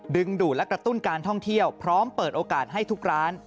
ดึงดูดและกระตุ้นการท่องเที่ยวพร้อมเปิดโอกาสให้ทุกร้าน